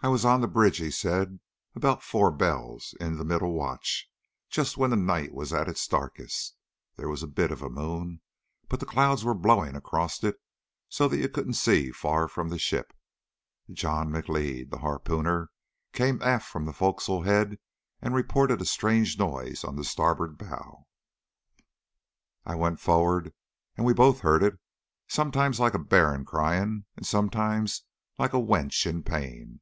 "I was on the bridge," he said, "about four bells in the middle watch, just when the night was at its darkest. There was a bit of a moon, but the clouds were blowing across it so that you couldn't see far from the ship. John M'Leod, the harpooner, came aft from the foc'sle head and reported a strange noise on the starboard bow. "I went forrard and we both heard it, sometimes like a bairn crying and sometimes like a wench in pain.